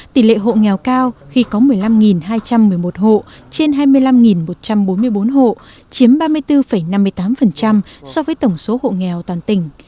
tỷ lệ hộ nghèo cao khi có một mươi năm hai trăm một mươi một hộ trên hai mươi năm một trăm bốn mươi bốn hộ chiếm ba mươi bốn năm mươi tám so với tổng số hộ nghèo toàn tỉnh